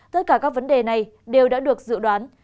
tất cả các vấn đề này đều đã được dự đoán